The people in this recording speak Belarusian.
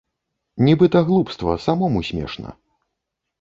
Нібыта глупства, самому смешна.